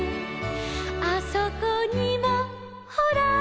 「あそこにもほら」